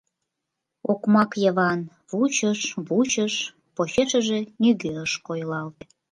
Окмак Йыван вучыш-вучыш — почешыже нигӧ ыш койылалте.